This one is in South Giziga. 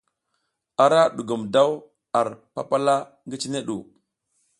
Ara dugum daw ar papala ngi cine ɗu.